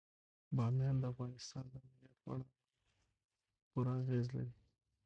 بامیان د افغانستان د امنیت په اړه هم پوره اغېز لري.